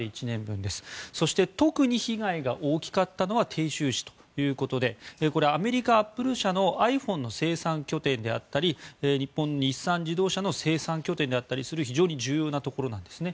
そして、特に被害が大きかったのは鄭州市ということでアメリカ、アップル社のｉＰｈｏｎｅの生産拠点であったり日本の日産自動車の生産拠点であったりする重要なところなんですね。